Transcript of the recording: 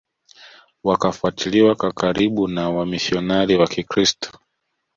Wakafuatiliwa kwa karibu na wamishionari wa kikristo